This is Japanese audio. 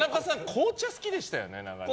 紅茶好きでしたよね？